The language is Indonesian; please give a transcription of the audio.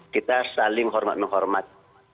kita saling hormat menghormat